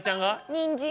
にんじん！